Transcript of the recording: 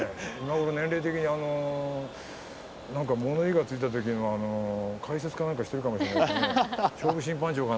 年齢的にも物言いがついたときの解説かなんかしていたかもしれない。